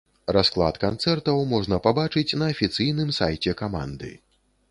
Расклад канцэртаў можна пабачыць на афіцыйным сайце каманды.